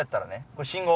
これ信号？